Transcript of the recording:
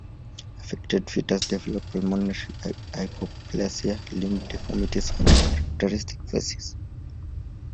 Affected fetuses develop pulmonary hypoplasia, limb deformities, and characteristic facies.